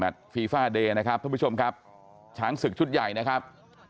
ฟีฟ่าเดย์นะครับท่านผู้ชมครับช้างศึกชุดใหญ่นะครับ